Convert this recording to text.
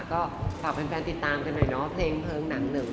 ก็ฝากแฟนติดตามกันหน่อยเนาะเพลงเพลิงหนังหนึ่ง